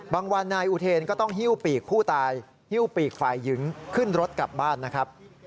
วันนายอุเทนก็ต้องหิ้วปีกผู้ตายฮิ้วปีกฝ่ายหญิงขึ้นรถกลับบ้านนะครับ